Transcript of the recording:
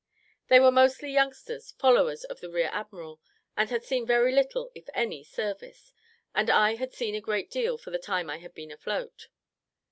They were mostly youngsters, followers of the rear admiral, and had seen very little, if any, service, and I had seen a great deal for the time I had been afloat.